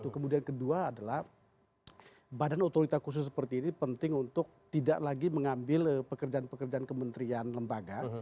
kemudian kedua adalah badan otorita khusus seperti ini penting untuk tidak lagi mengambil pekerjaan pekerjaan kementerian lembaga